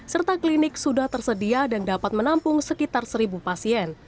serta klinik sudah tersedia dan dapat menampung sekitar seribu pasien